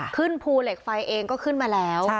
ภูเหล็กไฟเองก็ขึ้นมาแล้ว